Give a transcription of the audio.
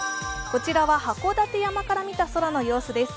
こちらは函館山から見た空の様子です。